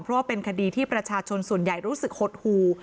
เพราะว่าเป็นคดีที่ประชาชนส่วนใหญ่รู้สึกหดหู